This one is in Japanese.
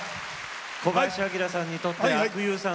小林旭さんにとって阿久悠さん